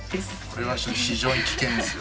それは非常に危険ですよ。